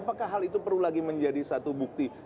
apakah hal itu perlu lagi menjadi satu bukti